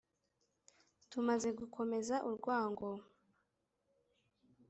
Tumaze gukomeza urwango